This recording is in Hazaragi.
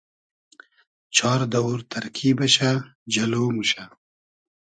چار دئوور تئرکی بئشۂ جئلۉ موشۂ